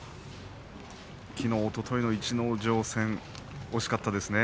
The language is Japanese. きのう、おとといの逸ノ城戦、惜しかったですね